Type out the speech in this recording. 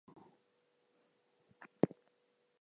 The people say that it is an old custom.